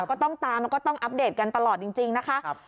ก็ต้องตามแล้วก็ต้องอัปเดตกันตลอดจริงนะคะ